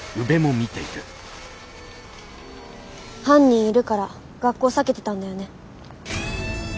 犯人いるから学校避けてたんだよね？